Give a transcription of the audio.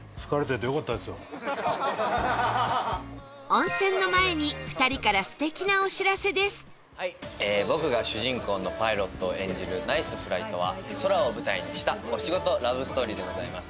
温泉の前に２人から僕が主人公のパイロットを演じる『ＮＩＣＥＦＬＩＧＨＴ！』は空を舞台にしたお仕事ラブストーリーでございます。